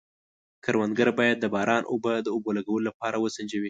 کروندګر باید د باران اوبه د اوبو لګولو لپاره وسنجوي.